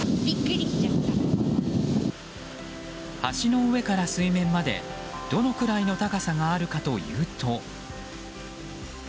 橋の上から水面までどのくらいの高さがあるかというと。